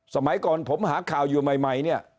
สมัยก่อนผมหาข่าวอยู่ใหม่